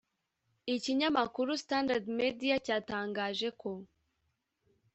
Ikinyamakuru Standard Media cyatangaje ko